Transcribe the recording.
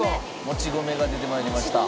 もち米が出て参りました。